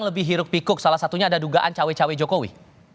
lebih hiruk pikuk salah satunya ada dugaan cawe cawe jokowi